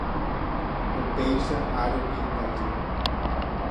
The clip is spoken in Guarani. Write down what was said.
Upeichahárupi ndaje.